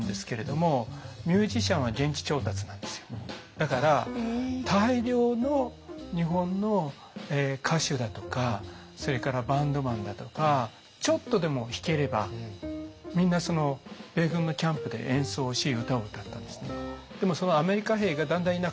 だから大量の日本の歌手だとかそれからバンドマンだとかちょっとでも弾ければみんな米軍のキャンプで演奏をし歌を歌ったんですね。